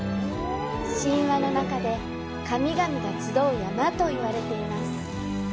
神話の中で神々が集う山といわれています。